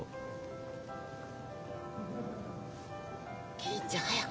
銀ちゃん早く。